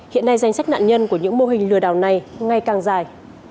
hiện nay danh sách nạn nhân của những mô hình lừa đảo này ngày càng dài